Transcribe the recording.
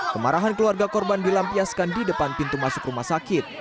kemarahan keluarga korban dilampiaskan di depan pintu masuk rumah sakit